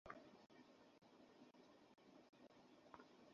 আর কাটা গায়ে নুনের ছিটে দিও না।